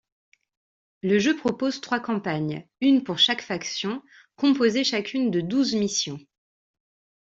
Le jeu propose trois campagnes, une pour chaque faction, composée chacune de douze missions.